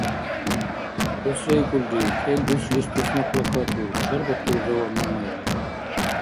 — Хӏу сейкӏулри? Кӏел дуслис туснакъла катур, — чарбатур жаваб Мямяйли…